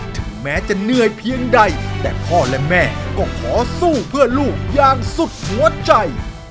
ถึงแม้จะเหนื่อยเพียงใดแต่พ่อและแม่ก็ขอสู้เพื่อลูกอย่างสุดหัวใจ